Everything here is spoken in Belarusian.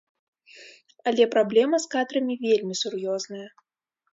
Але праблема з кадрамі вельмі сур'ёзная.